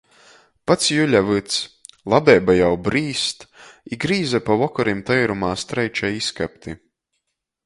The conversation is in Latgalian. Pats juļa vyds, labeiba jau brīst i grīze pa vokorim teirumā streičej izkapti.